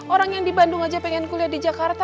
orang yang di bandung aja pengen kuliah di jakarta